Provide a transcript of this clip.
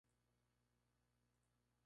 El disco se compone de once canciones.